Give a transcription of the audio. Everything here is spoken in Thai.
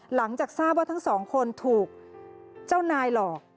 หลังจากทราบว่าทั้งสองคนถูกเจ้านายหลอก